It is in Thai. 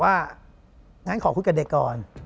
งั้นขอคุยกับเด็กก่อน